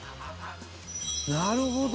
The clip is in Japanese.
「なるほど！」